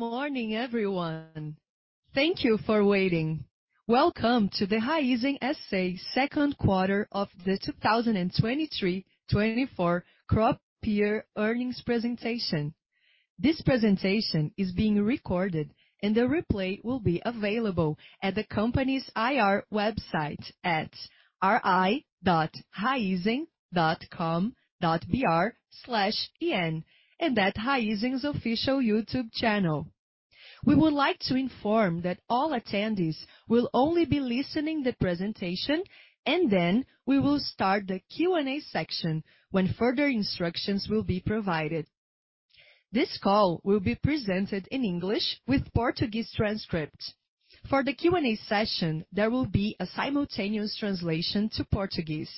Good morning, everyone. Thank you for waiting. Welcome to the Raízen SA Q2 of the 2023-2024 crop year earnings presentation. This presentation is being recorded, and the replay will be available at the company's IR website at ri.raizen.com.br/en, and at Raízen's official YouTube channel. We would like to inform that all attendees will only be listening to the presentation, and then we will start the Q&A section when further instructions will be provided. This call will be presented in English with Portuguese transcript. For the Q&A session, there will be a simultaneous translation to Portuguese.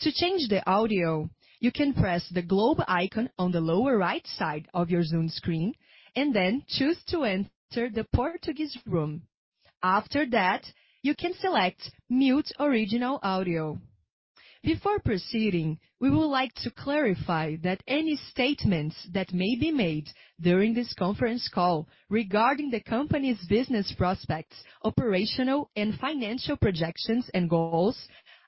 To change the audio, you can press the globe icon on the lower right side of your Zoom screen, and then choose to enter the Portuguese room. After that, you can select Mute Original Audio. Before proceeding, we would like to clarify that any statements that may be made during this conference call regarding the company's business prospects, operational and financial projections and goals,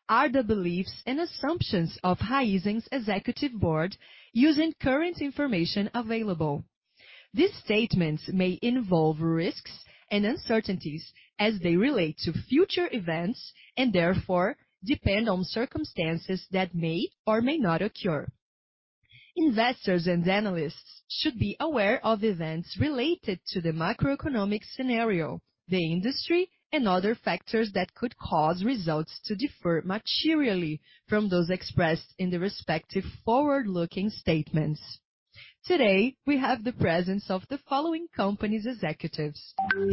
are the beliefs and assumptions of Raízen's executive board using current information available. These statements may involve risks and uncertainties as they relate to future events, and therefore depend on circumstances that may or may not occur. Investors and analysts should be aware of events related to the macroeconomic scenario, the industry, and other factors that could cause results to differ materially from those expressed in the respective forward-looking statements. Today, we have the presence of the following company's executives: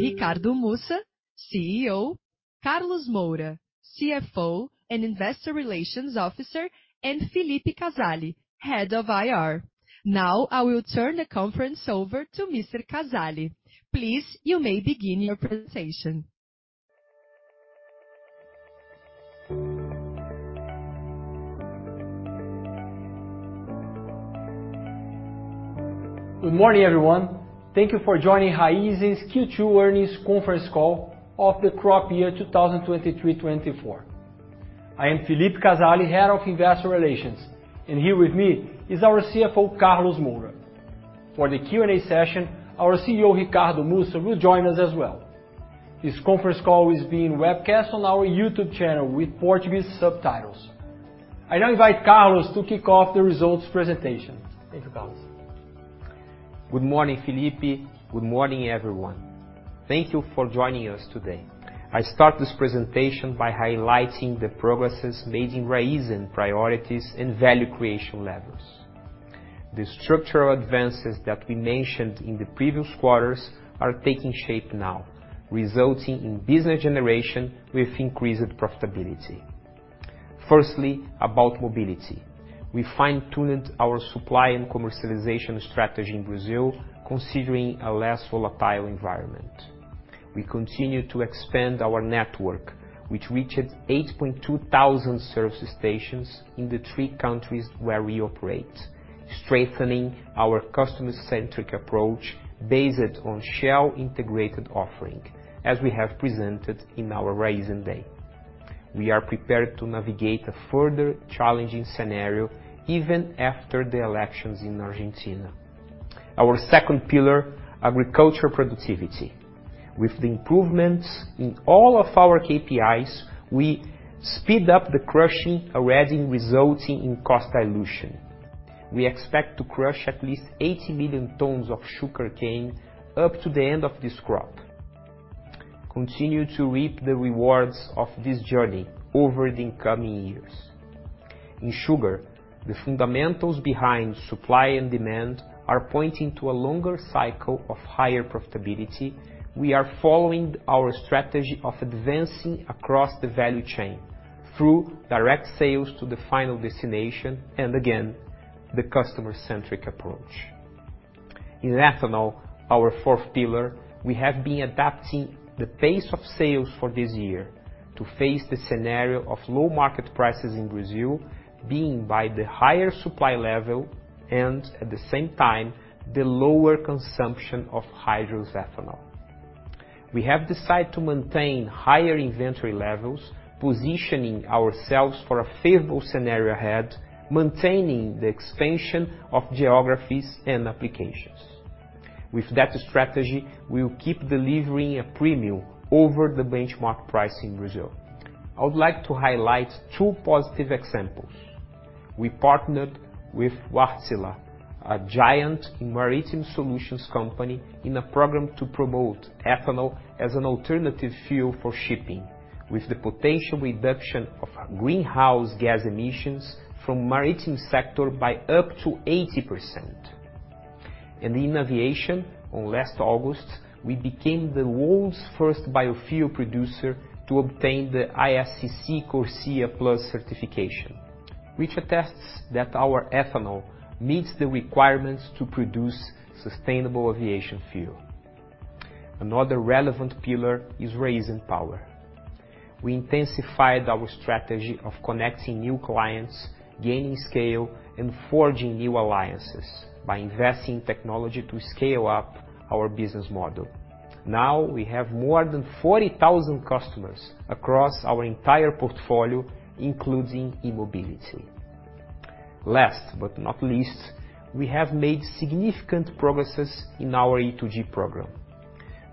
Ricardo Mussa, CEO, Carlos Moura, CFO and Investor Relations Officer, and Felipe Casali, Head of IR. Now, I will turn the conference over to Mr. Casali. Please, you may begin your presentation. Good morning, everyone. Thank you for joining Raízen's Q2 earnings conference call of the crop year 2023-24. I am Felipe Casali, Head of Investor Relations, and here with me is our CFO, Carlos Moura. For the Q&A session, our CEO, Ricardo Mussa, will join us as well. This conference call is being webcast on our YouTube channel with Portuguese subtitles. I now invite Carlos to kick off the results presentation. Thank you, Carlos. Good morning, Felipe. Good morning, everyone. Thank you for joining us today. I start this presentation by highlighting the progresses made in Raízen priorities and value creation levels. The structural advances that we mentioned in the previous quarters are taking shape now, resulting in business generation with increased profitability. Firstly, about mobility. We fine-tuned our supply and commercialization strategy in Brazil, considering a less volatile environment. We continue to expand our network, which reached 8,200 service stations in the three countries where we operate, strengthening our customer-centric approach based on Shell integrated offering, as we have presented in our Raízen Day. We are prepared to navigate a further challenging scenario even after the elections in Argentina. Our second pillar, agricultural productivity. With the improvements in all of our KPIs, we speed up the crushing, already resulting in cost dilution. We expect to crush at least 80 million tons of sugarcane up to the end of this crop. Continue to reap the rewards of this journey over the incoming years. In sugar, the fundamentals behind supply and demand are pointing to a longer cycle of higher profitability. We are following our strategy of advancing across the value chain through direct sales to the final destination and again, the customer-centric approach. In ethanol, our fourth pillar, we have been adapting the pace of sales for this year to face the scenario of low market prices in Brazil, being by the higher supply level and at the same time, the lower consumption of hydrated ethanol. We have decided to maintain higher inventory levels, positioning ourselves for a favorable scenario ahead, maintaining the expansion of geographies and applications. With that strategy, we will keep delivering a premium over the benchmark price in Brazil. I would like to highlight two positive examples. We partnered with Wärtsilä, a giant in maritime solutions company, in a program to promote ethanol as an alternative fuel for shipping, with the potential reduction of greenhouse gas emissions from maritime sector by up to 80%. And in aviation, on last August, we became the world's first biofuel producer to obtain the ISCC CORSIA PLUS certification, which attests that our ethanol meets the requirements to produce sustainable aviation fuel.... Another relevant pillar is Raízen Power. We intensified our strategy of connecting new clients, gaining scale, and forging new alliances by investing in technology to scale up our business model. Now, we have more than 40,000 customers across our entire portfolio, including e-mobility. Last but not least, we have made significant progresses in our E2G program.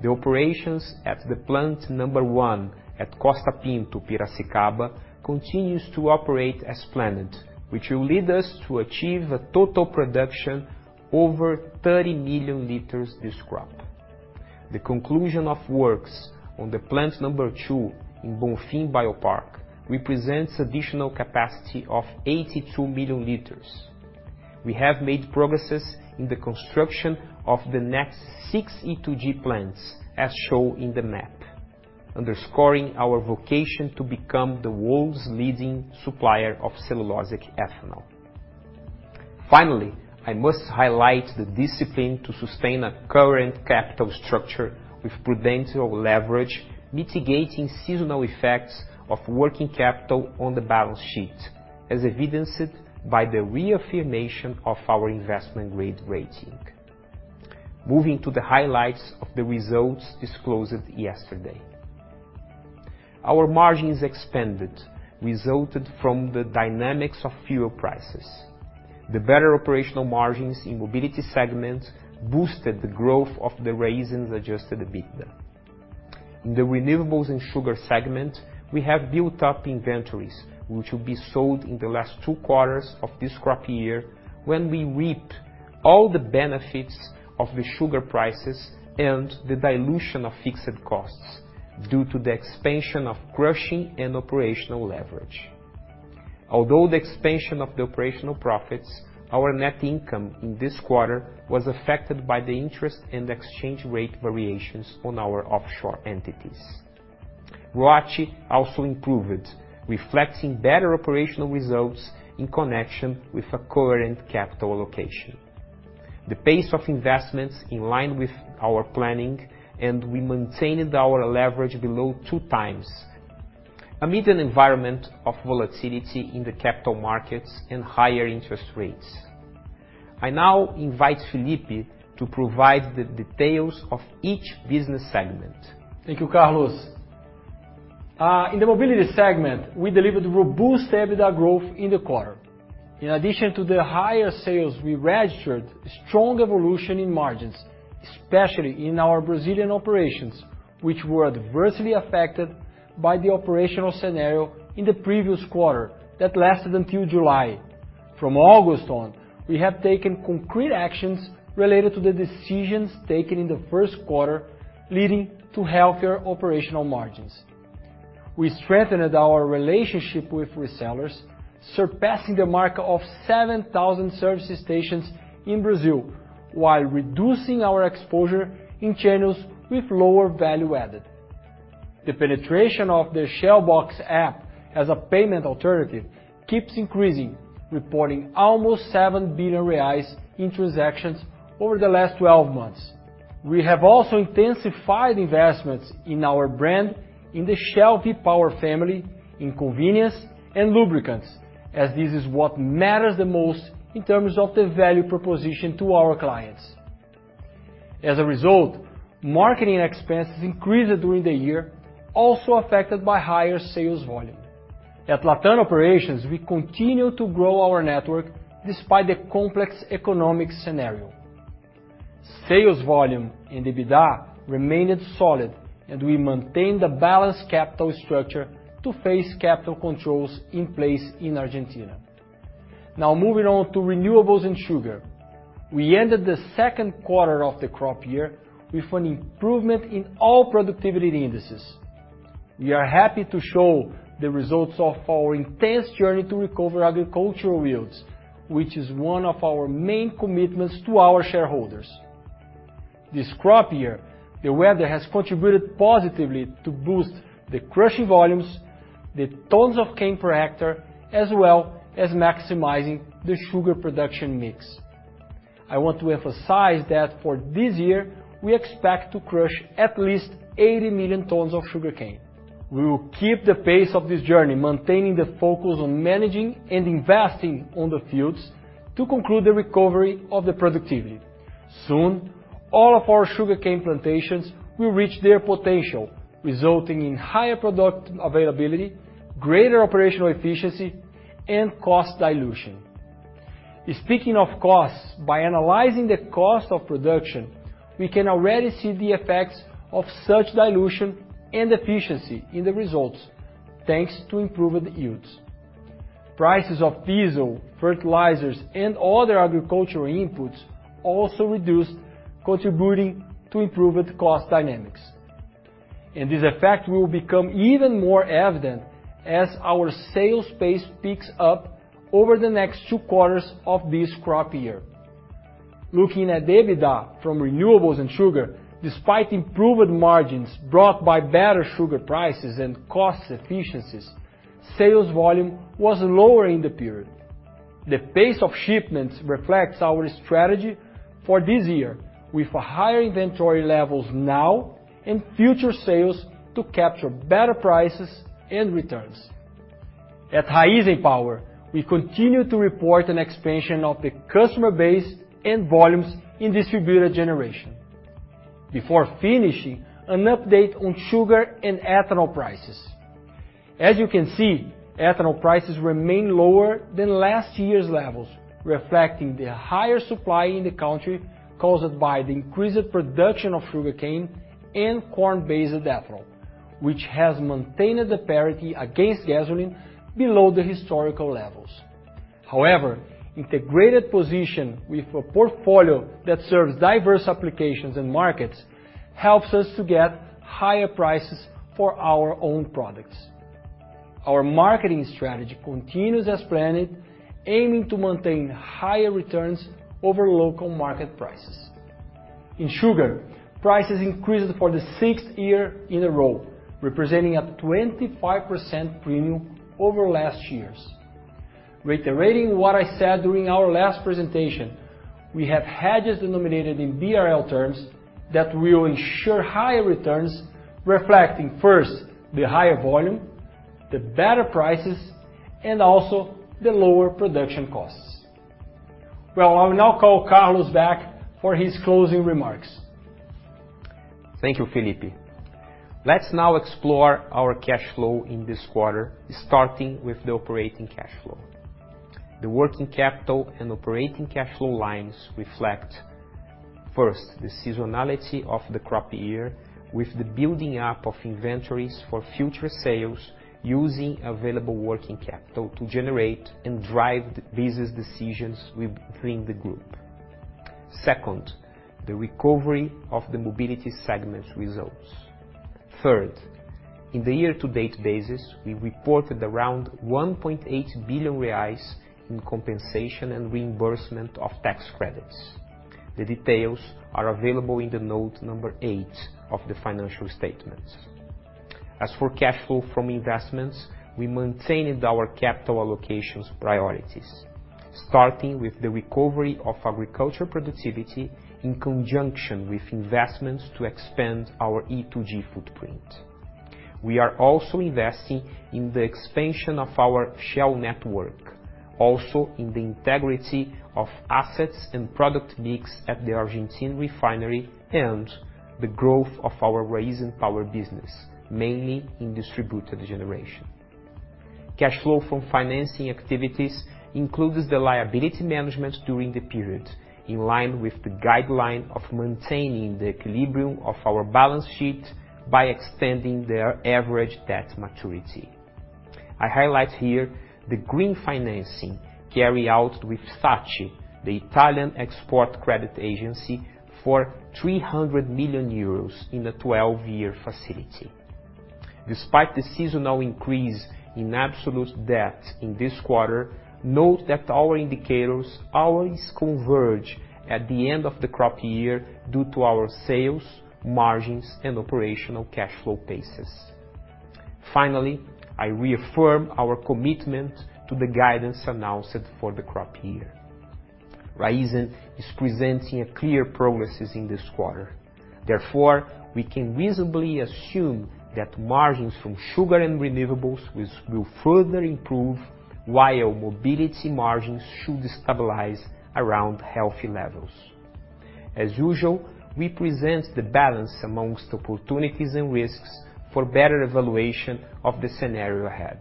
The operations at the plant number one at Costa Pinto, Piracicaba, continues to operate as planned, which will lead us to achieve a total production over 30 million liters this crop. The conclusion of works on the plant number two in Bonfim Biopark represents additional capacity of 82 million liters. We have made progresses in the construction of the next six E2G plants, as shown in the map, underscoring our vocation to become the world's leading supplier of cellulosic ethanol. Finally, I must highlight the discipline to sustain a current capital structure with prudential leverage, mitigating seasonal effects of working capital on the balance sheet, as evidenced by the reaffirmation of our investment grade rating. Moving to the highlights of the results disclosed yesterday. Our margins expanded, resulted from the dynamics of fuel prices. The better operational margins in mobility segments boosted the growth of the Raízen Adjusted EBITDA. In the renewables and sugar segment, we have built up inventories, which will be sold in the last two quarters of this crop year, when we reap all the benefits of the sugar prices and the dilution of fixed costs due to the expansion of crushing and operational leverage. Although the expansion of the operational profits, our net income in this quarter was affected by the interest and exchange rate variations on our offshore entities. ROACE also improved, reflecting better operational results in connection with a coherent capital allocation. The pace of investments in line with our planning, and we maintained our leverage below 2x, amid an environment of volatility in the capital markets and higher interest rates. I now invite Felipe to provide the details of each business segment. Thank you, Carlos. In the mobility segment, we delivered robust EBITDA growth in the quarter. In addition to the higher sales, we registered strong evolution in margins, especially in our Brazilian operations, which were adversely affected by the operational scenario in the previous quarter that lasted until July. From August on, we have taken concrete actions related to the decisions taken in the first quarter, leading to healthier operational margins. We strengthened our relationship with resellers, surpassing a mark of 7,000 service stations in Brazil, while reducing our exposure in channels with lower value added. The penetration of the Shell Box app as a payment alternative keeps increasing, reporting almost 7 billion reais in transactions over the last 12 months. We have also intensified investments in our brand in the Shell V-Power family, in convenience and lubricants, as this is what matters the most in terms of the value proposition to our clients. As a result, marketing expenses increased during the year, also affected by higher sales volume. At LatAm Operations, we continue to grow our network despite the complex economic scenario. Sales volume and EBITDA remained solid, and we maintained a balanced capital structure to face capital controls in place in Argentina. Now, moving on to renewables and sugar. We ended the Q2 of the crop year with an improvement in all productivity indices. We are happy to show the results of our intense journey to recover agricultural yields, which is one of our main commitments to our shareholders. This crop year, the weather has contributed positively to boost the crushing volumes, the tons of cane per hectare, as well as maximizing the sugar production mix. I want to emphasize that for this year, we expect to crush at least 80 million tons of sugarcane. We will keep the pace of this journey, maintaining the focus on managing and investing on the fields to conclude the recovery of the productivity. Soon, all of our sugarcane plantations will reach their potential, resulting in higher product availability, greater operational efficiency, and cost dilution. Speaking of costs, by analyzing the cost of production, we can already see the effects of such dilution and efficiency in the results, thanks to improved yields. Prices of diesel, fertilizers, and other agricultural inputs also reduced, contributing to improved cost dynamics. This effect will become even more evident as our sales pace picks up over the next two quarters of this crop year. Looking at EBITDA from renewables and sugar, despite improved margins brought by better sugar prices and cost efficiencies, sales volume was lower in the period. The pace of shipments reflects our strategy for this year, with higher inventory levels now and future sales to capture better prices and returns. At Raízen Power, we continue to report an expansion of the customer base and volumes in distributed generation. Before finishing, an update on sugar and ethanol prices. As you can see, ethanol prices remain lower than last year's levels, reflecting the higher supply in the country, caused by the increased production of sugarcane and corn-based ethanol, which has maintained the parity against gasoline below the historical levels. However, integrated position with a portfolio that serves diverse applications and markets, helps us to get higher prices for our own products. Our marketing strategy continues as planned, aiming to maintain higher returns over local market prices. In sugar, prices increased for the sixth year in a row, representing a 25% premium over last year's. Reiterating what I said during our last presentation, we have hedges denominated in BRL terms that will ensure higher returns, reflecting first, the higher volume, the better prices, and also the lower production costs. Well, I will now call Carlos back for his closing remarks. Thank you, Felipe. Let's now explore our cash flow in this quarter, starting with the operating cash flow. The working capital and operating cash flow lines reflect, first, the seasonality of the crop year, with the building up of inventories for future sales, using available working capital to generate and drive the business decisions within the group. Second, the recovery of the mobility segment results. Third, in the year-to-date basis, we reported around 1.8 billion reais in compensation and reimbursement of tax credits. The details are available in the note number eight of the financial statements. As for cash flow from investments, we maintained our capital allocations priorities, starting with the recovery of agriculture productivity in conjunction with investments to expand our E2G footprint. We are also investing in the expansion of our Shell network, also in the integrity of assets and product mix at the Argentine refinery, and the growth of our Raízen Power business, mainly in distributed generation. Cash flow from financing activities includes the liability management during the period, in line with the guideline of maintaining the equilibrium of our balance sheet by extending their average debt maturity. I highlight here the green financing carried out with SACE, the Italian Export Credit Agency, for 300 million euros in a 12-year facility. Despite the seasonal increase in absolute debt in this quarter, note that our indicators always converge at the end of the crop year due to our sales, margins, and operational cash flow paces. Finally, I reaffirm our commitment to the guidance announced for the crop year. Raízen is presenting a clear progress in this quarter. Therefore, we can reasonably assume that margins from sugar and renewables will further improve, while mobility margins should stabilize around healthy levels. As usual, we present the balance among opportunities and risks for better evaluation of the scenario ahead.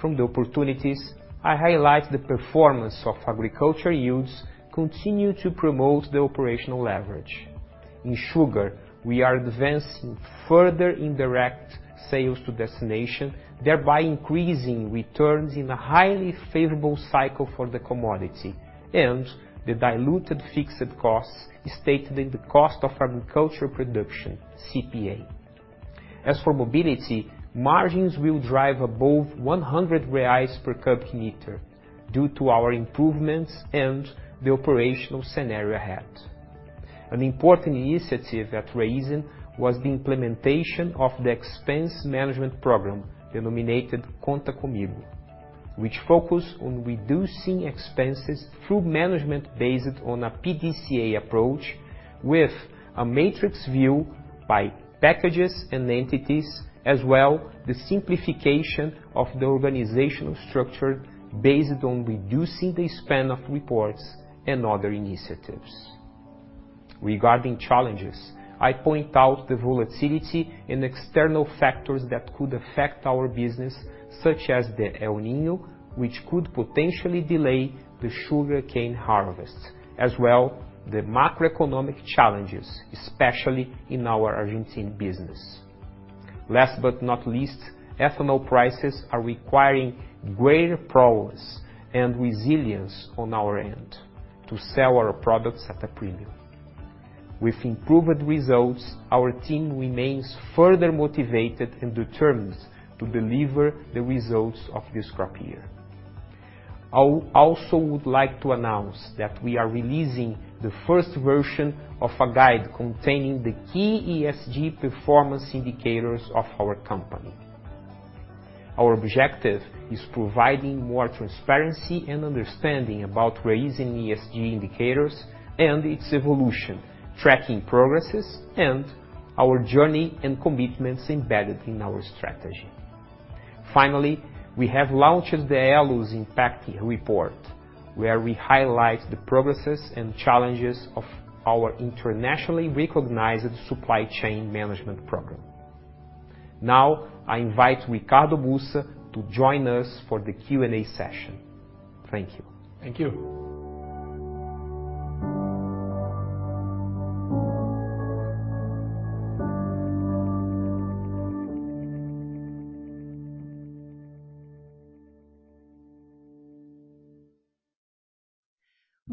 From the opportunities, I highlight the performance of agriculture yields continue to promote the operational leverage. In sugar, we are advancing further in direct sales to destination, thereby increasing returns in a highly favorable cycle for the commodity, and the diluted fixed costs is stated in the Cost of Agricultural Production, CPA. As for mobility, margins will drive above 100 reais per cubic meter due to our improvements and the operational scenario ahead. An important initiative at Raízen was the implementation of the expense management program, denominated Conta Comigo, which focus on reducing expenses through management based on a PDCA approach, with a matrix view by packages and entities, as well the simplification of the organizational structure based on reducing the span of reports and other initiatives. Regarding challenges, I point out the volatility and external factors that could affect our business, such as the El Niño, which could potentially delay the sugarcane harvest, as well the macroeconomic challenges, especially in our Argentine business. Last but not least, ethanol prices are requiring greater prowess and resilience on our end to sell our products at a premium. With improved results, our team remains further motivated and determined to deliver the results of this crop year. I also would like to announce that we are releasing the first version of a guide containing the key ESG performance indicators of our company. Our objective is providing more transparency and understanding about raising ESG indicators and its evolution, tracking progresses and our journey and commitments embedded in our strategy. Finally, we have launched the Elos Impact Report, where we highlight the progresses and challenges of our internationally recognized supply chain management program. Now, I invite Ricardo Mussa to join us for the Q&A session. Thank you. Thank you.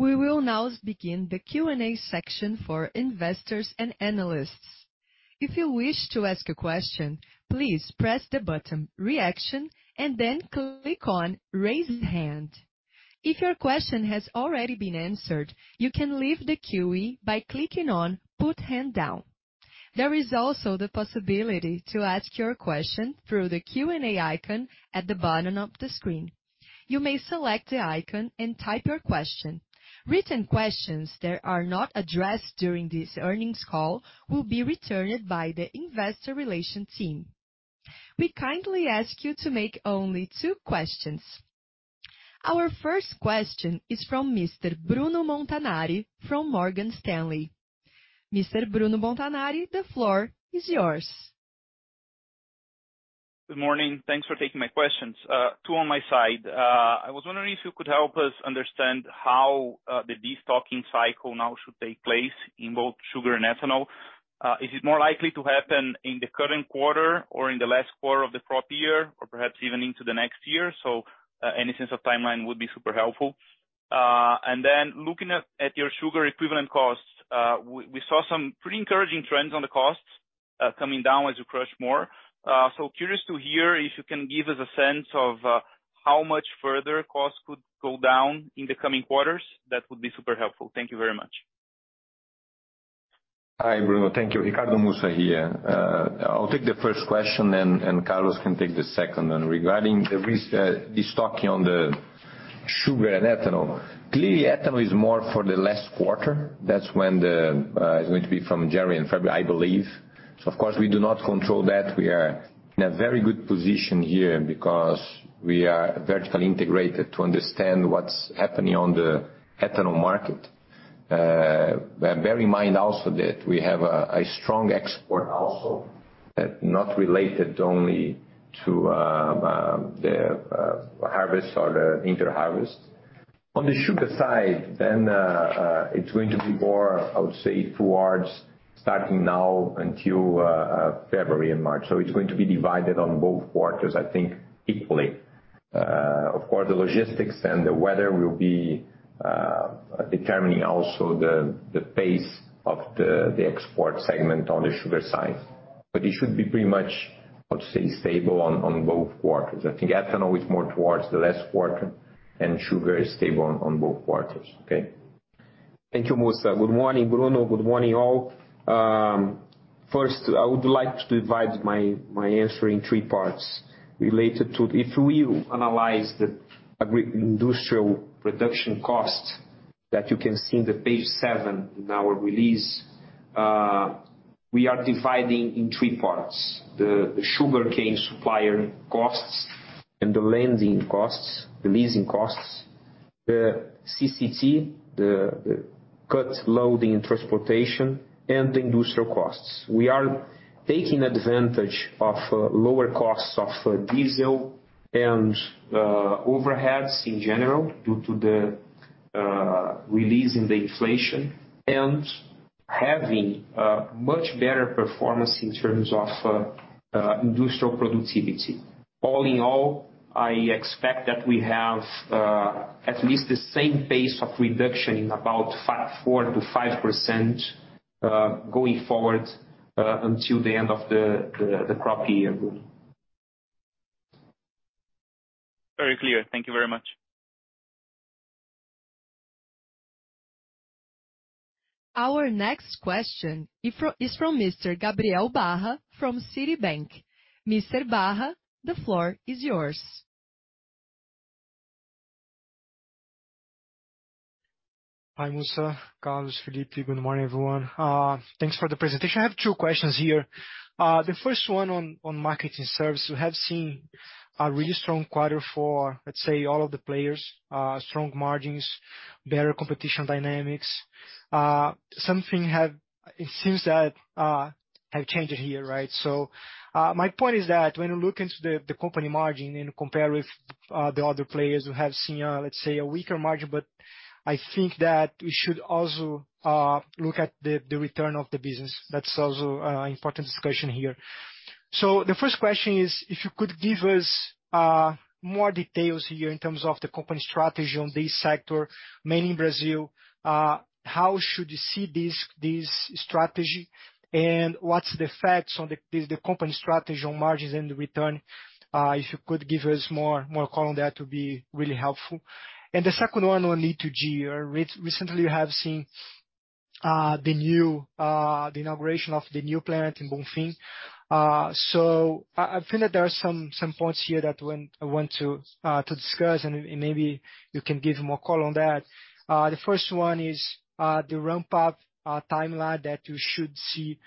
We will now begin the Q&A section for investors and analysts. If you wish to ask a question, please press the button Reaction, and then click on Raise Hand. If your question has already been answered, you can leave the queue by clicking on Put Hand Down. There is also the possibility to ask your question through the Q&A icon at the bottom of the screen. You may select the icon and type your question. Written questions that are not addressed during this earnings call will be returned by the investor relations team. We kindly ask you to make only two questions. Our first question is from Mr. Bruno Montanari from Morgan Stanley. Mr. Bruno Montanari, the floor is yours. Good morning. Thanks for taking my questions. Two on my side. I was wondering if you could help us understand how the destocking cycle now should take place in both sugar and ethanol. Is it more likely to happen in the current quarter or in the last quarter of the crop year, or perhaps even into the next year? So, any sense of timeline would be super helpful. And then looking at your sugar equivalent costs, we saw some pretty encouraging trends on the costs coming down as you crush more. So curious to hear if you can give us a sense of how much further costs could go down in the coming quarters. That would be super helpful. Thank you very much. Hi, Bruno. Thank you. Ricardo Mussa here. I'll take the first question and Carlos can take the second then. Regarding the stocking on the sugar and ethanol, clearly, ethanol is more for the last quarter. That's when it's going to be from January and February, I believe. So of course, we do not control that. We are in a very good position here because we are vertically integrated to understand what's happening on the ethanol market. Bear in mind also that we have a strong export also, not related only to the harvest or the inter harvest. On the sugar side, then, it's going to be more, I would say, towards starting now until February and March. So it's going to be divided on both quarters, I think, equally. Of course, the logistics and the weather will be determining also the pace of the export segment on the sugar side, but it should be pretty much, let's say, stable on both quarters. I think ethanol is more towards the last quarter, and sugar is stable on both quarters. Okay? Thank you, Mussa. Good morning, Bruno. Good morning, all. First, I would like to divide my answer in three parts related to if we analyze the Agri-industrial production cost that you can see in the page seven in our release. We are dividing in three parts: the sugarcane supplier costs and the lending costs, the leasing costs, the CCT, the cut loading and transportation, and the industrial costs. We are taking advantage of lower costs of diesel and overheads in general, due to the release in the inflation and having a much better performance in terms of industrial productivity. All in all, I expect that we have at least the same pace of reduction in about 4%-5%, going forward, until the end of the crop year Very clear. Thank you very much. Our next question is from Mr. Gabriel Barra from Citibank. Mr. Barra, the floor is yours. Hi, Mussa, Carlos, Felipe. Good morning, everyone. Thanks for the presentation. I have two questions here. The first one on, on marketing service. We have seen a really strong quarter for, let's say, all of the players, strong margins, better competition dynamics. Something have... It seems that, have changed here, right? So, my point is that when you look into the, the company margin and compare with, the other players who have seen, let's say, a weaker margin, but I think that we should also, look at the, the return of the business. That's also an important discussion here. So the first question is, if you could give us more details here in terms of the company strategy on this sector, mainly in Brazil, how should you see this, this strategy, and what's the effects on the, the company strategy on margins and the return? If you could give us more, more call on that would be really helpful. And the second one on E2G. Recently, we have seen the new, the inauguration of the new plant in Bonfim. So I feel that there are some, some points here that when I want to discuss, and maybe you can give more color on that. The first one is the ramp-up timeline that you should see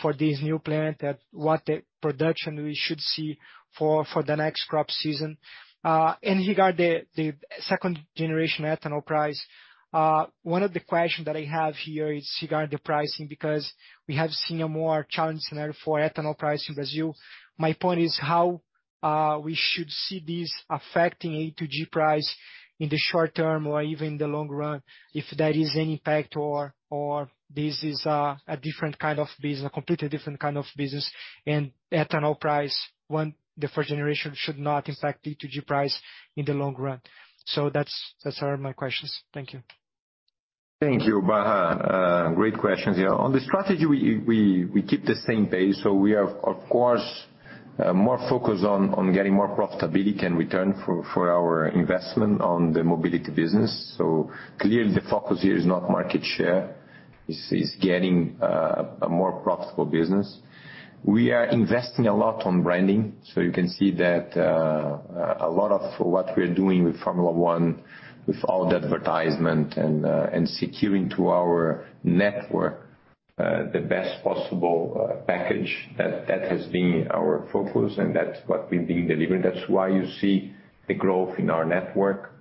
for this new plant, that what the production we should see for the next crop season. In regard to the second generation ethanol price, one of the questions that I have here is regarding the pricing, because we have seen a more challenging scenario for ethanol price in Brazil. My point is how we should see this affecting E2G price in the short term or even in the long run, if there is any impact or this is a different kind of business, a completely different kind of business, and ethanol price of the first generation should not affect E2G price in the long run. So that's all my questions. Thank you. Thank you, Barra. Great questions here. On the strategy, we keep the same pace, so we are, of course, more focused on getting more profitability and return for our investment on the mobility business. So clearly, the focus here is not market share. It's getting a more profitable business. We are investing a lot on branding, so you can see that a lot of what we are doing with Formula 1, with all the advertisement and securing to our network the best possible package, that has been our focus, and that's what we've been delivering. That's why you see the growth in our network,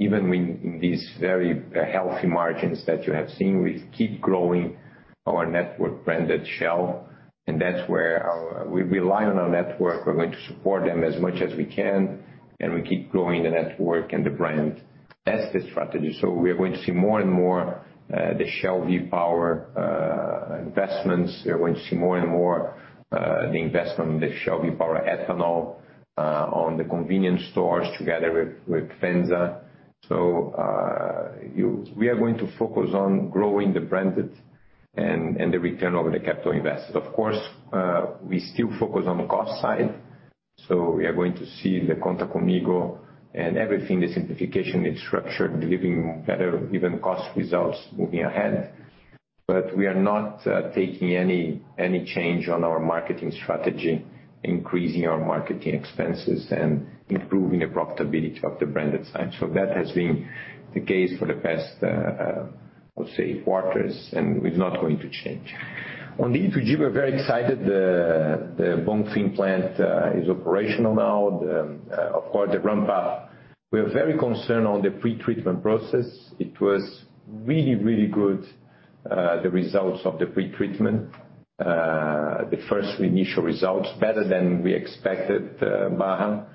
even when in these very healthy margins that you have seen, we keep growing our network branded Shell, and that's where our network. We rely on our network. We're going to support them as much as we can, and we keep growing the network and the brand. That's the strategy. So we are going to see more and more the Shell V-Power investments. We're going to see more and more the investment in the Shell V-Power ethanol on the convenience stores together with FEMSA. So we are going to focus on growing the branded and the return on the capital invested. Of course, we still focus on the cost side, so we are going to see the Conta Comigo and everything, the simplification, the structure, delivering better even cost results moving ahead. But we are not taking any change on our marketing strategy, increasing our marketing expenses and improving the profitability of the branded side. So that has been the case for the past, let's say, quarters, and it's not going to change. On the E2G, we're very excited. The Bonfim Plant is operational now. Of course, the ramp-up, we are very concerned on the pretreatment process. It was really, really good, the results of the pretreatment. The first initial results, better than we expected, Barra.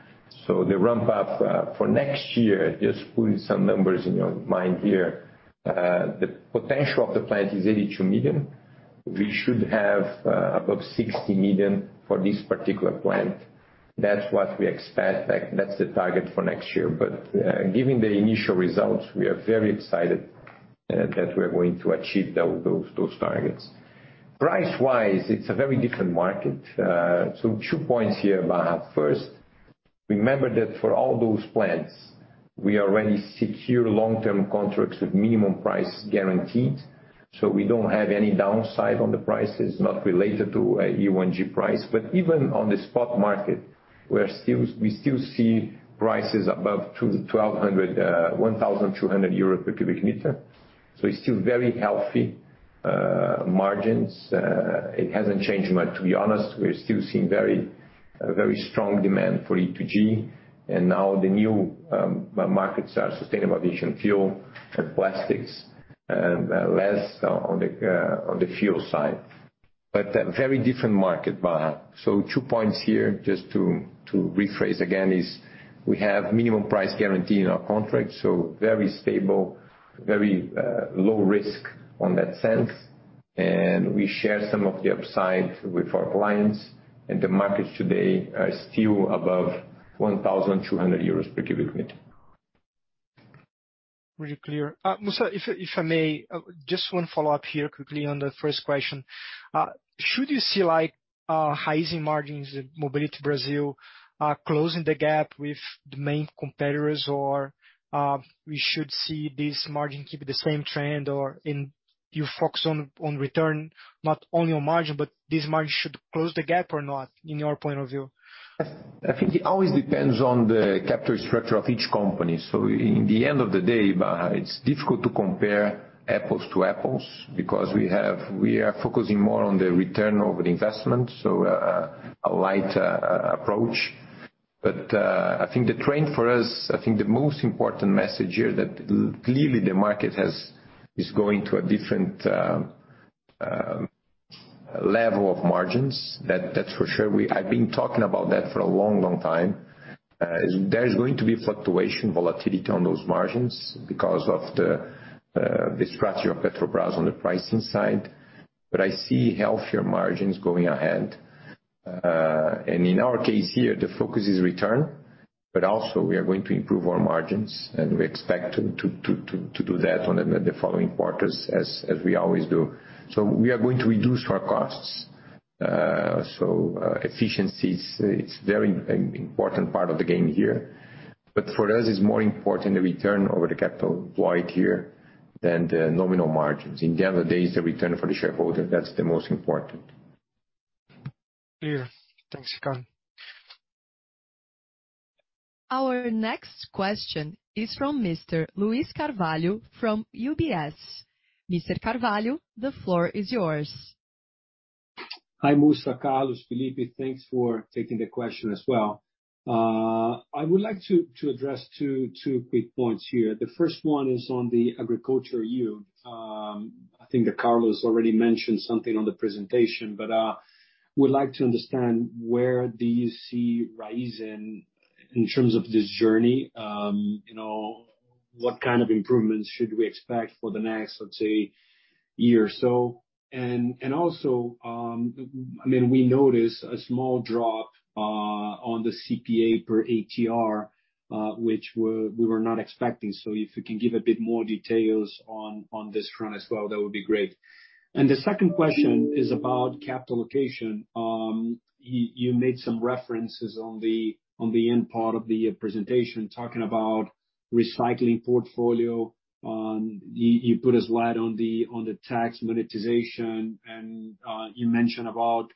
So the ramp-up for next year, just putting some numbers in your mind here, the potential of the plant is 82 million. We should have above 60 million for this particular plant. That's what we expect. That's the target for next year. But given the initial results, we are very excited that we're going to achieve those targets. Price-wise, it's a very different market. So two points here, Barra. First, remember that for all those plants, we already secure long-term contracts with minimum price guaranteed, so we don't have any downside on the prices not related to a E1G price. But even on the spot market, we still see prices above 1,200 euros per cubic meter. So it's still very healthy margins. It hasn't changed much, to be honest. We're still seeing a very strong demand for E2G, and now the new markets are sustainable aviation fuel and plastics, and less on the fuel side. But a very different market, Barra. So two points here, just to rephrase again, is we have minimum price guarantee in our contract, so very stable, very, low risk on that sense, and we share some of the upside with our clients, and the markets today are still above 1,200 euros per cubic meter. Very clear. Mussa, if, if I may, just one follow-up here quickly on the first question. Should you see, like, rising margins in Mobility Brazil, closing the gap with the main competitors, or, we should see this margin keep the same trend, or in you focus on, on return, not only on margin, but this margin should close the gap or not, in your point of view? I think it always depends on the capital structure of each company. So in the end of the day, Barra, it's difficult to compare apples-to-apples because we have—we are focusing more on the return over the investment, so, a light approach. But, I think the trend for us, I think the most important message here that clearly the market has... is going to a different level of margins, that's for sure. I've been talking about that for a long, long time. There is going to be fluctuation, volatility on those margins because of the strategy of Petrobras on the pricing side, but I see healthier margins going ahead. And in our case here, the focus is return, but also we are going to improve our margins, and we expect to do that on the following quarters as we always do. So we are going to reduce our costs. So, efficiency is, it's very important part of the game here. But for us, it's more important the return over the capital employed here than the nominal margins. In other words, the return for the shareholder, that's the most important. Clear. Thanks, Ricardo. Our next question is from Mr. Luiz Carvalho from UBS. Mr. Carvalho, the floor is yours. Hi, Mussa, Carlos, Felipe, thanks for taking the question as well. I would like to address two quick points here. The first one is on the agriculture yield. I think that Carlos already mentioned something on the presentation, but would like to understand where do you see Raízen in terms of this journey? You know, what kind of improvements should we expect for the next, let's say, year or so? And also, I mean, we notice a small drop on the CPA per ATR, which we were not expecting. So if you can give a bit more details on this front as well, that would be great. And the second question is about capital allocation. You made some references on the end part of the presentation, talking about recycling portfolio. You put a slide on the tax monetization, and you mentioned about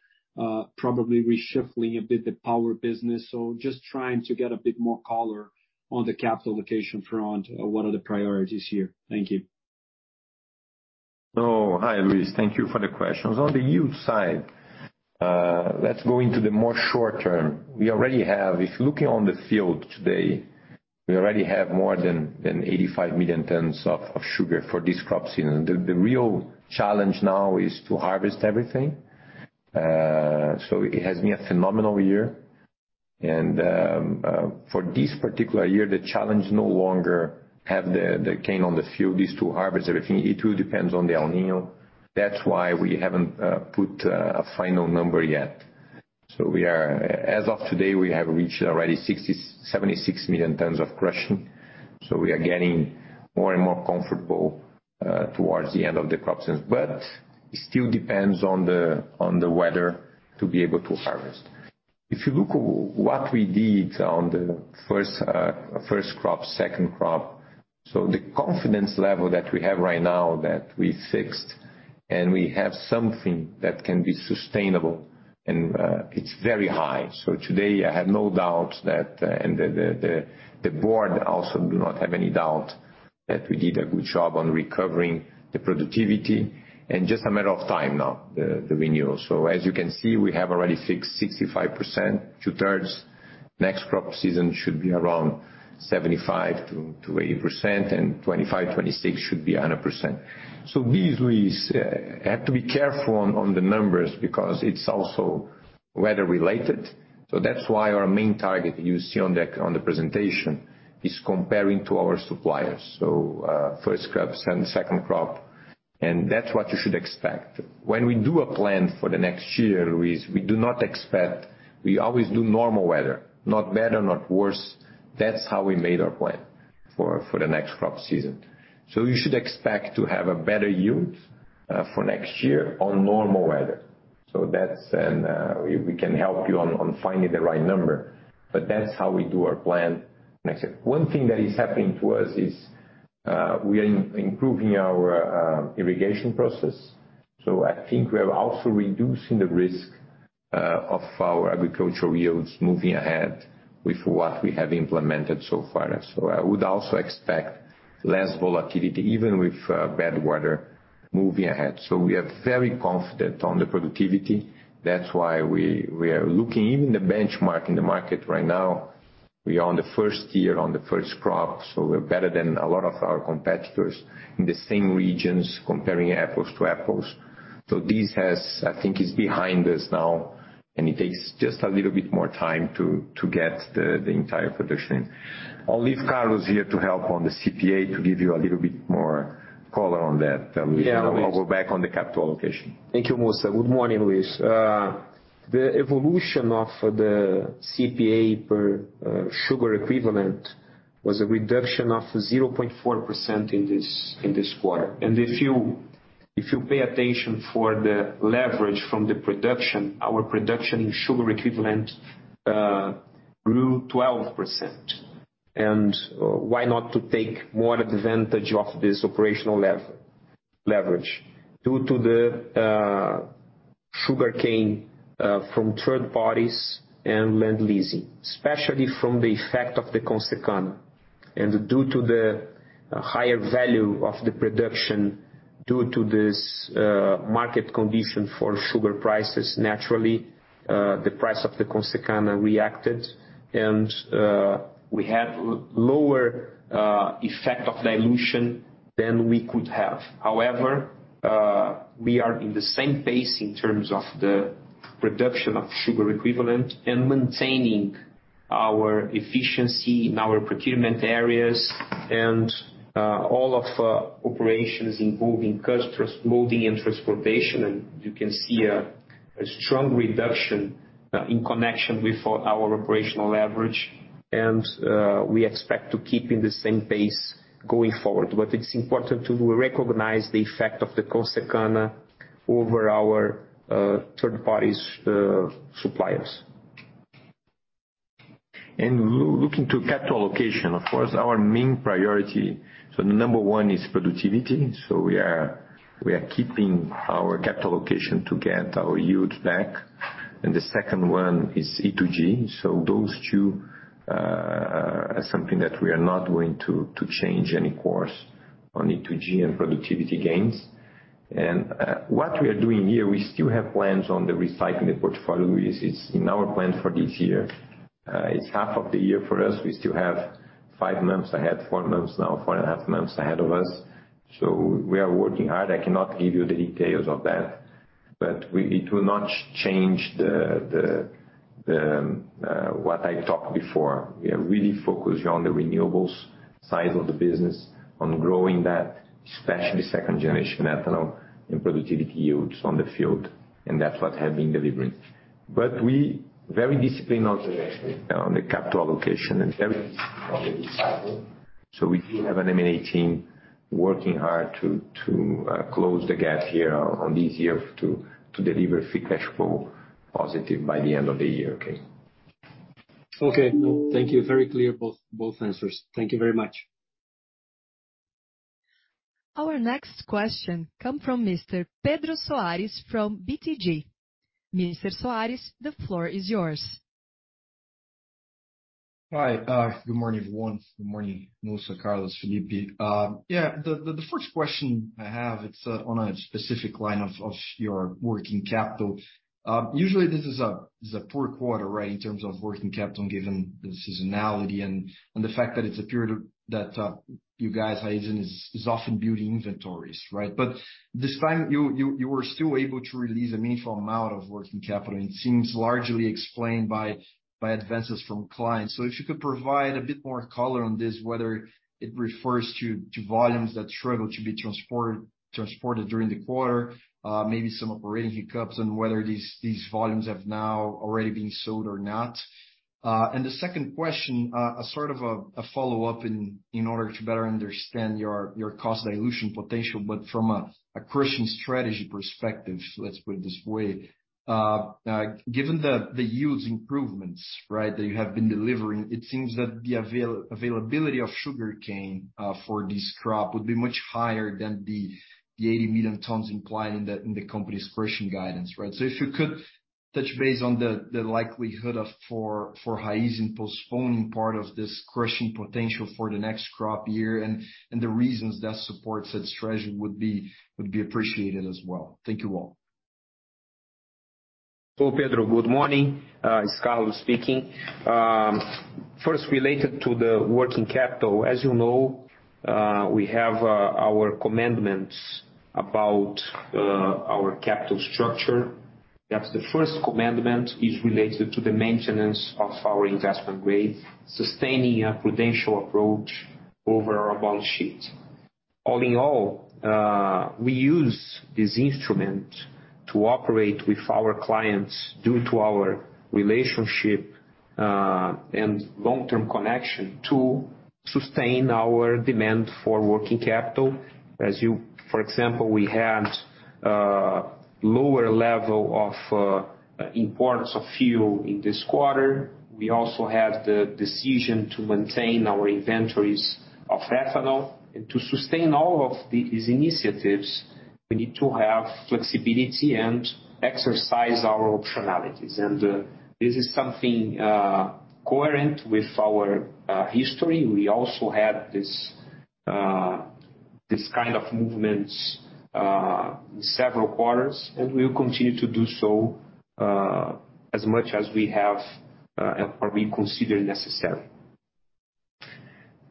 probably reshuffling a bit the power business. So just trying to get a bit more color on the capital allocation front, what are the priorities here? Thank you. Oh, hi, Luiz. Thank you for the questions. On the yield side, let's go into the more short term. We already have. If you're looking on the field today, we already have more than 85 million tons of sugar for this crop season. The real challenge now is to harvest everything. So it has been a phenomenal year, and for this particular year, the challenge no longer have the cane on the field, is to harvest everything. It too depends on the El Niño. That's why we haven't put a final number yet. So we are... As of today, we have reached already 67.6 million tons of crushing, so we are getting more and more comfortable towards the end of the crop season. But it still depends on the weather to be able to harvest. If you look at what we did on the first, first crop, second crop, so the confidence level that we have right now that we fixed, and we have something that can be sustainable, and, it's very high. So today, I have no doubt that, and the board also do not have any doubt, that we did a good job on recovering the productivity, and just a matter of time now, the renewal. So as you can see, we have already fixed 65%, 2/3. Next crop season should be around 75%-80%, and 2025, 2026 should be 100%. So these, Luiz, have to be careful on the numbers because it's also weather related. So that's why our main target you see on the presentation, is comparing to our suppliers. So, first crops and the second crop, and that's what you should expect. When we do a plan for the next year, Luiz, we do not expect. We always do normal weather, not better, not worse. That's how we made our plan for the next crop season. So you should expect to have a better yield for next year on normal weather. So that's. We can help you on finding the right number, but that's how we do our plan next year. One thing that is happening to us is we are improving our irrigation process. So I think we are also reducing the risk of our agricultural yields moving ahead with what we have implemented so far. So I would also expect less volatility, even with bad weather moving ahead. So we are very confident on the productivity. That's why we are looking even the benchmark in the market right now, we are on the first year, on the first crop, so we're better than a lot of our competitors in the same regions, comparing apples to apples. So this has, I think, is behind us now, and it takes just a little bit more time to get the entire production in. I'll leave Carlos here to help on the CPA to give you a little bit more color on that. Yeah. I'll go back on the capital allocation. Thank you, Mussa. Good morning, Luiz. The evolution of the CPA per sugar equivalent was a reduction of 0.4% in this quarter. And if you pay attention for the leverage from the production, our production in sugar equivalent grew 12%. And why not to take more advantage of this operational leverage? Due to the sugarcane from third parties and land leasing, especially from the effect of the Consecana. And due to the higher value of the production, due to this market condition for sugar prices, naturally, the price of the Consecana reacted, and we had lower effect of dilution than we could have. However, we are in the same pace in terms of the production of sugar equivalent and maintaining our efficiency in our procurement areas and all of operations involving cost, transloading and transportation, and you can see a strong reduction in connection with our operational leverage, and we expect to keep in the same pace going forward. But it's important to recognize the effect of the Consecana over our third parties suppliers. Looking to capital allocation, of course, our main priority, so the number one is productivity, so we are keeping our capital allocation to get our yields back, and the second one is E2G. So those two are something that we are not going to change any course on E2G and productivity gains. And what we are doing here, we still have plans on recycling the portfolio. It's in our plan for this year. It's half of the year for us. We still have five months ahead, four months now, four and a half months ahead of us, so we are working hard. I cannot give you the details of that, but it will not change what I talked before. We are really focused on the renewables side of the business, on growing that, especially second generation ethanol and productivity yields on the field, and that's what have been delivering. But we very disciplined also on the capital allocation and everything on the recycling, so we do have an M&A team working hard to close the gap here on this year to deliver free cash flow positive by the end of the year. Okay? Okay. Thank you. Very clear, both, both answers. Thank you very much. Our next question comes from Mr. Pedro Soares from BTG. Mr. Soares, the floor is yours. Hi, good morning, everyone. Good morning, Mussa, Carlos, Felipe. The first question I have, it's on a specific line of your working capital. Usually this is a poor quarter, right, in terms of working capital, given the seasonality and the fact that it's a period that you guys, Raízen, is often building inventories, right? But this time, you were still able to release a meaningful amount of working capital, and it seems largely explained by advances from clients. So if you could provide a bit more color on this, whether it refers to volumes that struggle to be transported during the quarter, maybe some operating hiccups, and whether these volumes have now already been sold or not. And the second question, a sort of a follow-up in order to better understand your cost dilution potential, but from a crushing strategy perspective, let's put it this way, given the yields improvements, right, that you have been delivering, it seems that the availability of sugarcane for this crop would be much higher than the 80 million tons implied in the company's crushing guidance, right? So if you could touch base on the likelihood of Raízen postponing part of this crushing potential for the next crop year, and the reasons that supports that strategy would be appreciated as well. Thank you all. Oh, Pedro, good morning. It's Carlos speaking. First, related to the working capital, as you know, we have our commandments about our capital structure. That's the first commandment, is related to the maintenance of our investment grade, sustaining a prudential approach over our balance sheet. All in all, we use this instrument to operate with our clients due to our relationship and long-term connection to sustain our demand for working capital. For example, we had lower level of importance of fuel in this quarter. We also had the decision to maintain our inventories of ethanol, and to sustain all of these initiatives, we need to have flexibility and exercise our optionality. This is something coherent with our history. We also have this, this kind of movements, in several quarters, and we will continue to do so, as much as we have, and what we consider necessary.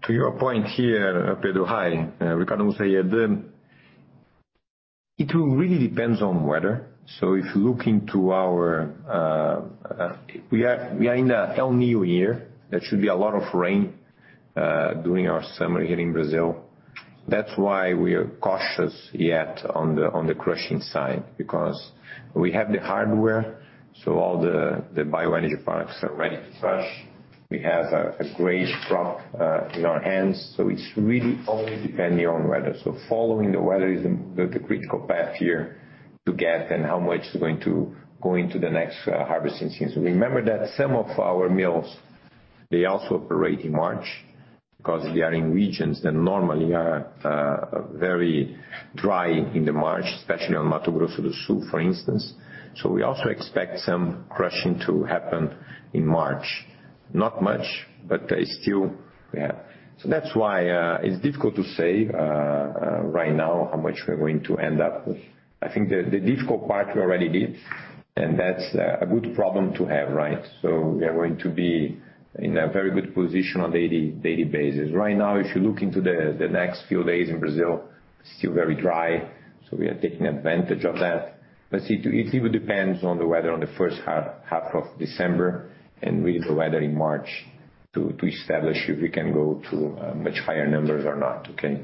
To your point here, Pedro, hi, Ricardo Mussa here. It really depends on weather. So if you look into our. We are in the El Niño year. There should be a lot of rain during our summer here in Brazil. That's why we are cautious yet on the crushing side, because we have the hardware, so all the bioenergy products are ready to crush. We have a great crop in our hands, so it's really only depending on weather. So following the weather is the critical path here to get and how much is going to go into the next harvesting season. Remember that some of our mills, they also operate in March, because they are in regions that normally are very dry in March, especially on Mato Grosso do Sul, for instance. So we also expect some crushing to happen in March. Not much, but still we have. So that's why it's difficult to say right now, how much we're going to end up with. I think the difficult part we already did, and that's a good problem to have, right? So we are going to be in a very good position on a daily basis. Right now, if you look into the next few days in Brazil, still very dry, so we are taking advantage of that. But it even depends on the weather on the H1 of December and really the weather in March to establish if we can go to much higher numbers or not, okay?...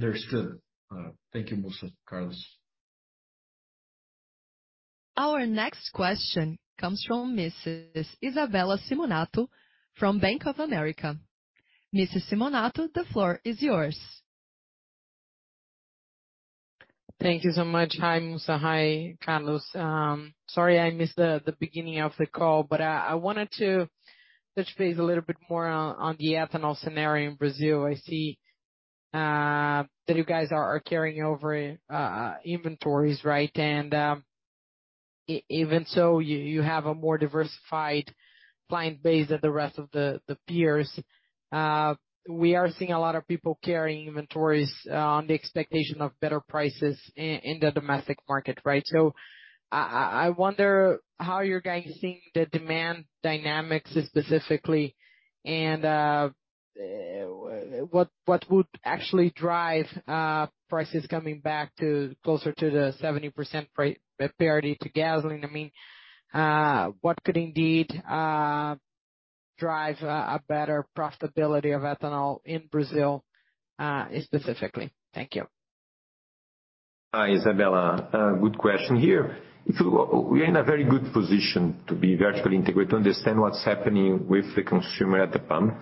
Understood. Thank you, Mussa, Carlos. Our next question comes from Mrs. Isabella Simonato from Bank of America. Mrs. Simonato, the floor is yours. Thank you so much. Hi, Mussa. Hi, Carlos. Sorry, I missed the beginning of the call, but I wanted to touch base a little bit more on the ethanol scenario in Brazil. I see that you guys are carrying over inventories, right? Even so, you have a more diversified client base than the rest of the peers. We are seeing a lot of people carrying inventories on the expectation of better prices in the domestic market, right? So I wonder how you guys are seeing the demand dynamics specifically, and what would actually drive prices coming back to closer to the 70% price parity to gasoline? I mean, what could indeed drive a better profitability of ethanol in Brazil, specifically? Thank you. Hi, Isabella. Good question. Here, if we're in a very good position to be vertically integrated, to understand what's happening with the consumer at the pump.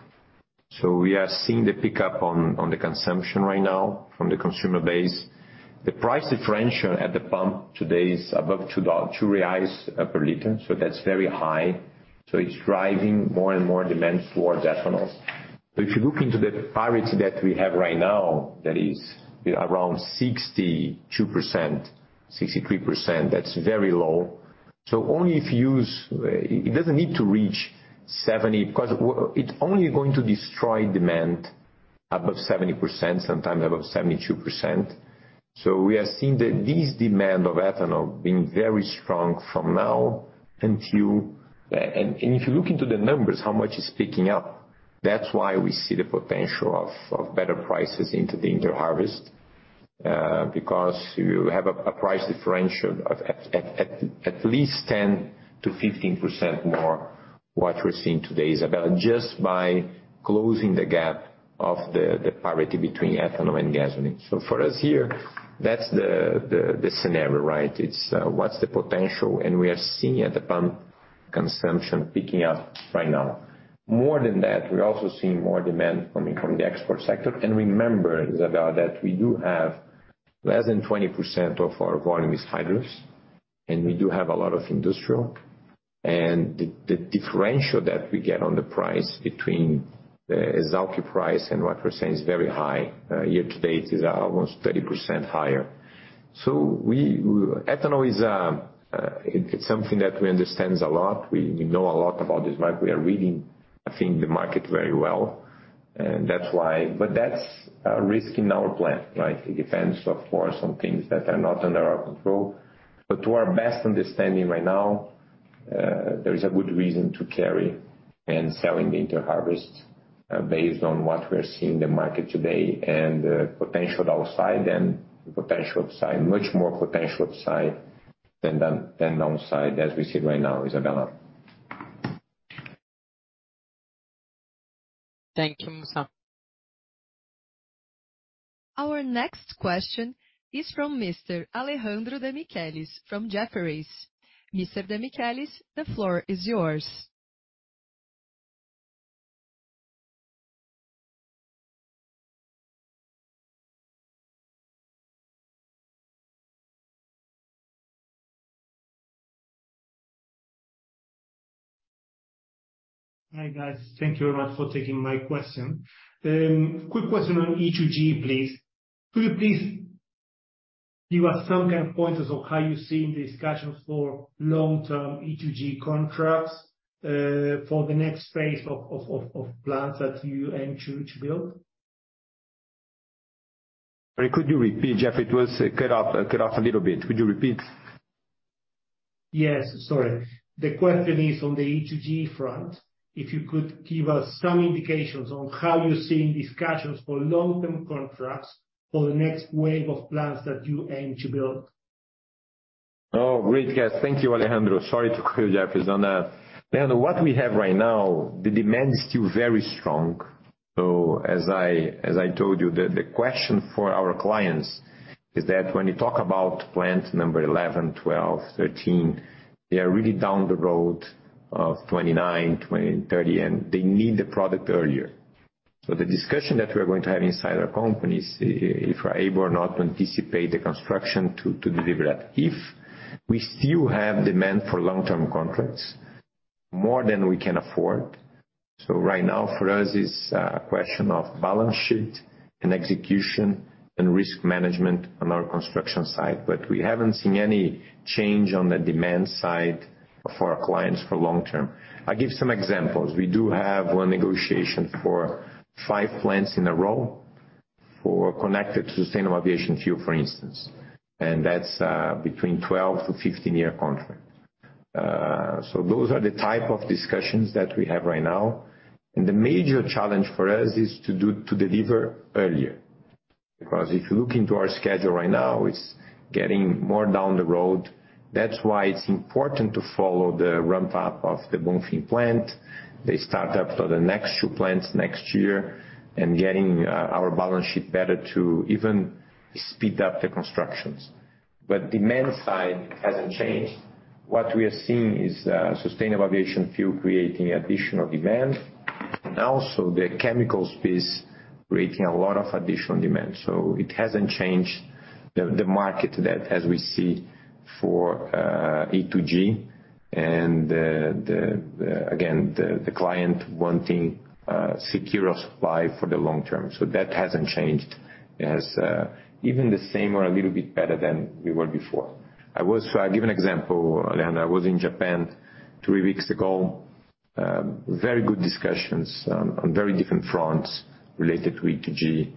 So we are seeing the pickup on the consumption right now from the consumer base. The price differential at the pump today is above 2 per liter, so that's very high. So it's driving more and more demand towards ethanol. So if you look into the parity that we have right now, that is around 62%, 63%, that's very low. So only if you use... It doesn't need to reach 70, because it's only going to destroy demand above 70%, sometimes above 72%. So we are seeing that this demand of ethanol being very strong from now until... And if you look into the numbers, how much is picking up, that's why we see the potential of better prices into the inter-harvest. Because you have a price differential of at least 10%-15% more, what we're seeing today, Isabella, just by closing the gap of the parity between ethanol and gasoline. So for us here, that's the scenario, right? It's what's the potential, and we are seeing at the pump consumption picking up right now. More than that, we're also seeing more demand coming from the export sector. And remember, Isabella, that we do have less than 20% of our volume is hydros, and we do have a lot of industrial. And the differential that we get on the price between is alcohol price and what we're saying is very high. Year to date is almost 30% higher. So we, ethanol is, it's something that we understands a lot, we know a lot about this, right? We are reading, I think, the market very well, and that's why. But that's a risk in our plan, right? It depends, of course, on things that are not under our control. But to our best understanding right now, there is a good reason to carry and selling the inter-harvest, based on what we're seeing in the market today and the potential downside and the potential upside. Much more potential upside than downside, as we see right now, Isabella. Thank you, Mussa. Our next question is from Mr. Alejandro Demichelis from Jefferies. Mr. Demichelis, the floor is yours. Hi, guys. Thank you very much for taking my question. Quick question on E2G, please. Could you please give us some kind of pointers of how you see the discussion for long-term E2G contracts, for the next phase of plants that you aim to build? Sorry, could you repeat, Jeff? It was cut off, cut off a little bit. Could you repeat? Yes. Sorry. The question is on the E2G front, if you could give us some indications on how you're seeing discussions for long-term contracts for the next wave of plants that you aim to build. Oh, great. Yes, thank you, Alejandro. Sorry to cut you, Jeff is on, Alejandro, what we have right now, the demand is still very strong. So as I told you, the question for our clients is that when you talk about plant number 11, 12, 13, they are really down the road of 2029, 2030, and they need the product earlier. So the discussion that we're going to have inside our company is if we're able or not to anticipate the construction to deliver that. If we still have demand for long-term contracts, more than we can afford. So right now, for us, it's a question of balance sheet and execution and risk management on our construction side, but we haven't seen any change on the demand side for our clients for long term. I'll give some examples. We do have one negotiation for five plants in a row for connected to sustainable aviation fuel, for instance, and that's between 12-15-year contract. So those are the type of discussions that we have right now, and the major challenge for us is to deliver earlier, because if you look into our schedule right now, it's getting more down the road. That's why it's important to follow the ramp up of the Bonfim Plant, the start up for the next two plants next year, and getting our balance sheet better to even speed up the constructions. But demand side hasn't changed. What we are seeing is sustainable aviation fuel creating additional demand, and also the chemical space creating a lot of additional demand. So it hasn't changed the market that we see for E2G and the, again, the client wanting secure supply for the long term. So that hasn't changed. It has even the same or a little bit better than we were before. So I give an example, Lena. I was in Japan three weeks ago. Very good discussions on very different fronts related to E2G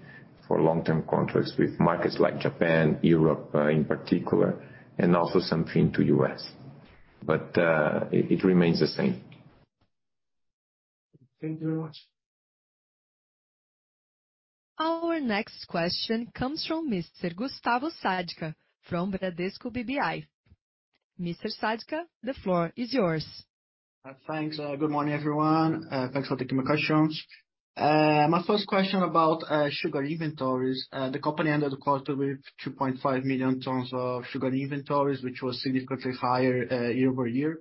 for long-term contracts with markets like Japan, Europe, in particular, and also something to U.S. But it remains the same. Thank you very much. Our next question comes from Mr. Gustavo Sadka, from Bradesco BBI. Mr. Sadka, the floor is yours. Thanks. Good morning, everyone. Thanks for taking my questions. My first question about sugar inventories. The company ended the quarter with 2.5 million tons of sugar inventories, which was significantly higher year-over-year.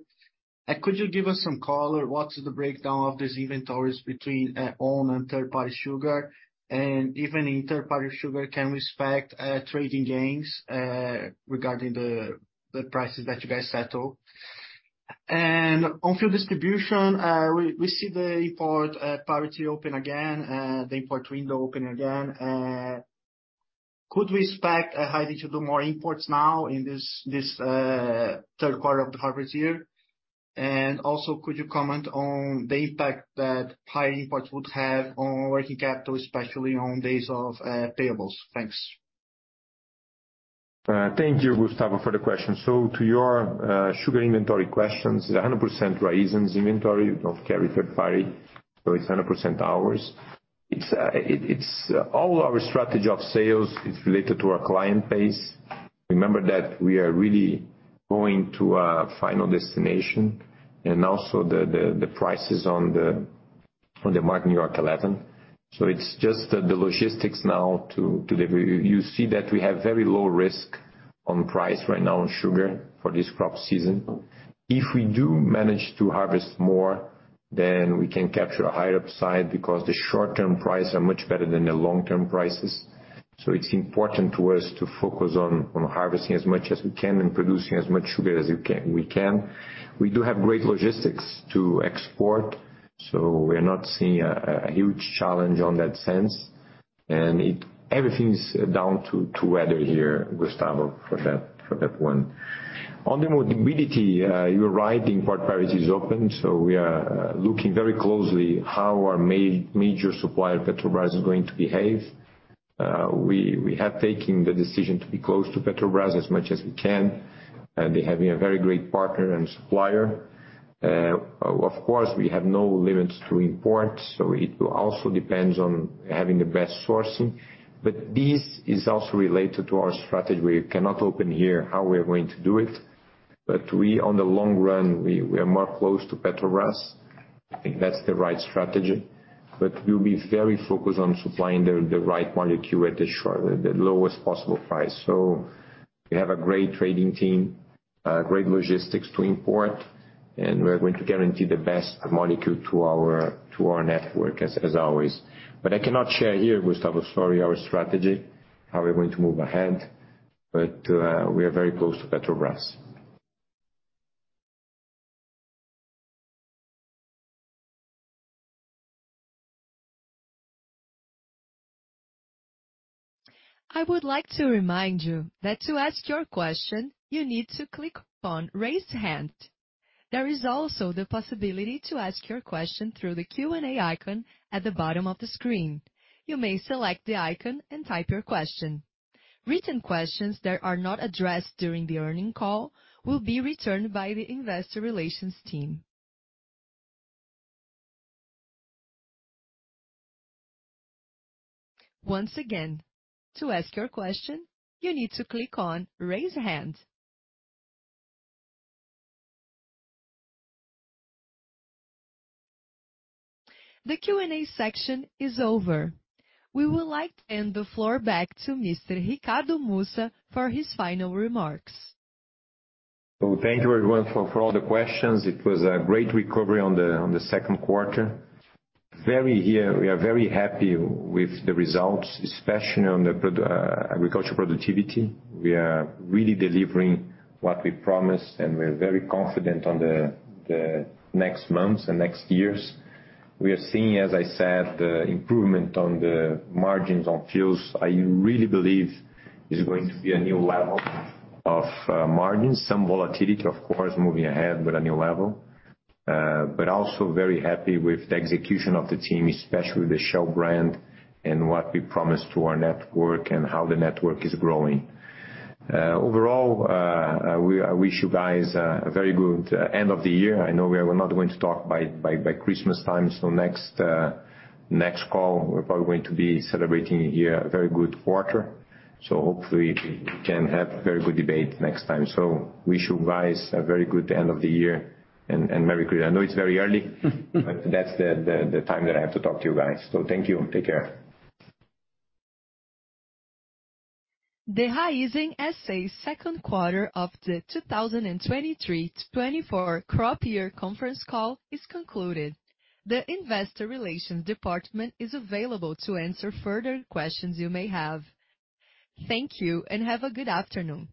Could you give us some color? What is the breakdown of these inventories between own and third party sugar? And even in third party sugar, can we expect trading gains regarding the prices that you guys settle? And on fuel distribution, we see the import parity open again, the import window opening again. Could we expect Raízen to do more imports now in this Q3 of the harvest year? And also, could you comment on the impact that high imports would have on working capital, especially on days of payables? Thanks. Thank you, Gustavo, for the question. So to your sugar inventory questions, it's 100% Raízen's inventory. Don't carry third party, so it's 100% ours. It's all our strategy of sales is related to our client base. Remember that we are really going to a final destination and also the prices on the mark New York No. 11. So it's just the logistics now to deliver. You see that we have very low risk on price right now on sugar for this crop season. If we do manage to harvest more, then we can capture a higher upside, because the short-term prices are much better than the long-term prices. So it's important to us to focus on harvesting as much as we can and producing as much sugar as you can, we can. We do have great logistics to export, so we're not seeing a huge challenge on that sense. And everything is down to weather here, Gustavo, for that one. On the modality, you're right, the import parity is open, so we are looking very closely how our major supplier, Petrobras, is going to behave. We have taken the decision to be close to Petrobras as much as we can, and they're having a very great partner and supplier. Of course, we have no limits to import, so it will also depends on having the best sourcing. But this is also related to our strategy. We cannot open here how we are going to do it, but we on the long run, we are more close to Petrobras. I think that's the right strategy, but we'll be very focused on supplying the right molecule at the lowest possible price. So we have a great trading team, great logistics to import, and we're going to guarantee the best molecule to our network, as always. But I cannot share here, Gustavo, sorry, our strategy, how we're going to move ahead, but we are very close to Petrobras. I would like to remind you that to ask your question, you need to click on Raise Hand. There is also the possibility to ask your question through the Q&A icon at the bottom of the screen. You may select the icon and type your question. Written questions that are not addressed during the earnings call will be returned by the investor relations team. Once again, to ask your question, you need to click on Raise Hand. The Q&A section is over. We would like to hand the floor back to Mr. Ricardo Mussa for his final remarks. So thank you everyone for all the questions. It was a great recovery on the Q2. We are very happy with the results, especially on agricultural productivity. We are really delivering what we promised, and we're very confident on the next months and next years. We are seeing, as I said, the improvement on the margins on fuels. I really believe it's going to be a new level of margins, some volatility, of course, moving ahead with a new level. But also very happy with the execution of the team, especially the Shell brand and what we promised to our network and how the network is growing. Overall, I wish you guys a very good end of the year. I know we are not going to talk by Christmas time, so next call, we're probably going to be celebrating a year, a very good quarter. So hopefully, we can have a very good debate next time. So wish you guys a very good end of the year and merry Christmas. I know it's very early, but that's the time that I have to talk to you guys. So thank you and take care. The Raízen SA Q2 of the 2023-2024 crop year conference call is concluded. The investor relations department is available to answer further questions you may have. Thank you, and have a good afternoon.